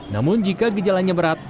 namun jika gejalanya berat